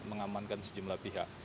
kita mengamankan sejumlah pihak